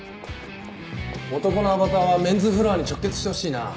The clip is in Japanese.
男のアバターはメンズフロアに直結してほしいな。